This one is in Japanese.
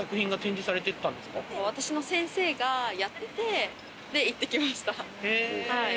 私の先生がやってて、行ってきました。